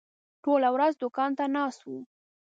ټوله ورځ دوکان ته ناست وم.